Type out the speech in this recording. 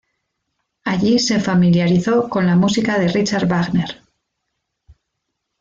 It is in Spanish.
Allí se familiarizó con la música de Richard Wagner.